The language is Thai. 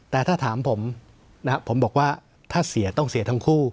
แต่ถ้าถามผมนะครับผมบอกว่าถ้าเสียต้องเสียทั้งคู่